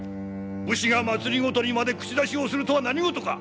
武士が政にまで口出しをするとは何事か！